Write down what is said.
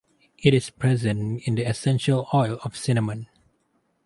It is present in the essential oil of cinnamon.